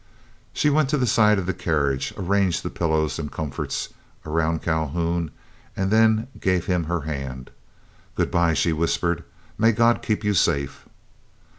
She went to the side of the carriage, arranged the pillows and comforts around Calhoun, and then gave him her hand. "Good bye," she whispered; "may God keep you safe."